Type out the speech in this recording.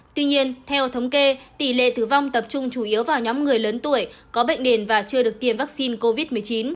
tuy nhiên theo thống kê tỷ lệ tử vong tập trung chủ yếu vào nhóm người lớn tuổi có bệnh nền và chưa được tiêm vaccine covid một mươi chín